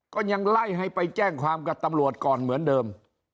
ก็ยังไล่ให้ไปแจ้งความกับตำรวจก่อนเหมือนเดิม